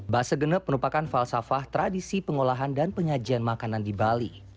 base genep merupakan falsafah tradisi pengolahan dan penyajian makanan di bali